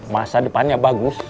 masa depannya bagus